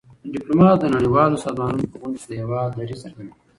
ډيپلومات د نړیوالو سازمانونو په غونډو کي د هېواد دریځ څرګندوي.